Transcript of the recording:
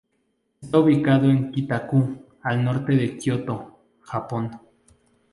Está ubicado en Kita-ku, al norte de Kioto, Japón.